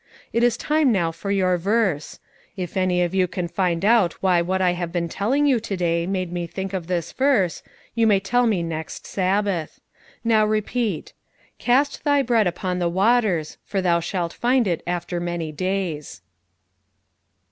"It is time now for your verse. If any of you can find out why what I have been telling you to day made me think of this verse, you may tell me next Sabbath. Now repeat, 'Cast thy bread upon the waters, for thou shalt find it after many days.'"